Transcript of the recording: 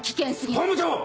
本部長！